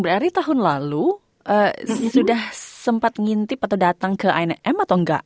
berarti tahun lalu sudah sempat ngintip atau datang ke a m